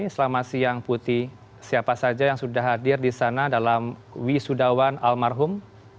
selamat siang putih siapa saja yang sudah hadir di sana dalam wisudawan almarhum